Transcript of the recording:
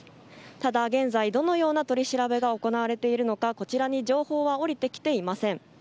ただ現在どのような取り調べが行われているかはこちらに情報はおりてきていません。